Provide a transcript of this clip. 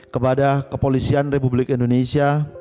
kepada kepolisian republik indonesia